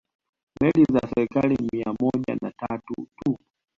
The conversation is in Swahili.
Meli za serikali mia moja na tatu tu